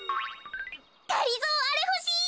がりぞーあれほしい！